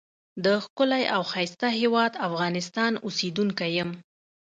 دښکلی او ښایسته هیواد افغانستان اوسیدونکی یم.